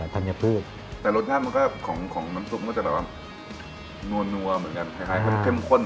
ธัญพืชแต่รสชาติมันก็ของของน้ำซุปมันก็จะแบบว่านัวนัวเหมือนกัน